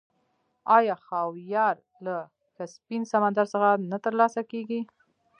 آیا خاویار له کسپین سمندر څخه نه ترلاسه کیږي؟